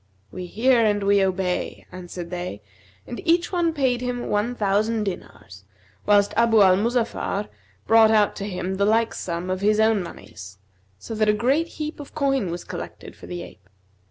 'We hear and we obey,' answered they; and each one paid him one thousand dinars, whilst Abu al Muzaffar brought out to him the like sum of his own monies, so that a great heap of coin was collected for the ape.